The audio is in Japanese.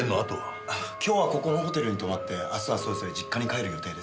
今日はここのホテルに泊まって明日はそれぞれ実家に帰る予定です。